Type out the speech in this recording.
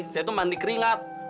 saya tuh mandi keringat